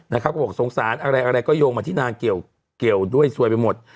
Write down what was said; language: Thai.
บอกว่าสงสารอะไรก็โยงมาที่นางเกี่ยวด้วยสวยไปหมด